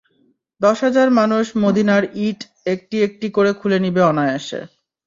দশ হাজার মানুষ মদীনার ইট একটি একটি করে খুলে নিবে অনায়াসে।